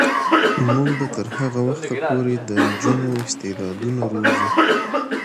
موږ به تر هغه وخته پورې د نجونو استعدادونه روزو.